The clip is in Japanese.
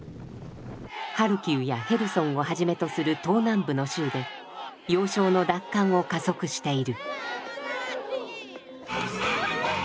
ハルキウやヘルソンをはじめとする東南部の州で要衝の奪還を加速している。